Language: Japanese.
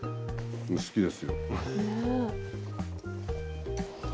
好きですよ。